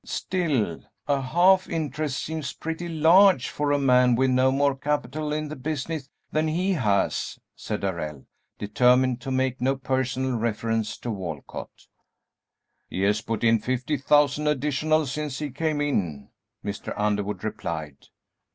"Still, a half interest seems pretty large for a man with no more capital in the business than he has," said Darrell, determined to make no personal reference to Walcott. "He has put in fifty thousand additional since he came in," Mr. Underwood replied.